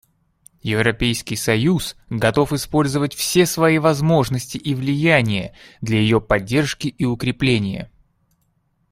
Европейский союз готов использовать все свои возможности и влияние для ее поддержки и укрепления.